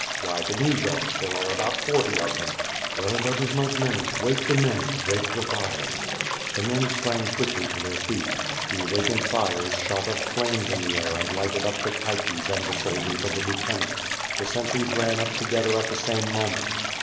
"Why the Nijovs; there are about forty of them!" "Well, that is not many; wake the men; rake the fires." The men sprang quickly to their feet. The awakened fires shot up flames in the air and lighted up the caiques and the soldiers of the lieutenant. The sentries ran up together at the same moment.